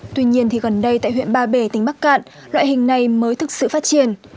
tuy nhiên thì gần đây tại huyện ba bể tỉnh bắc cạn loại hình này mới thực sự phát triển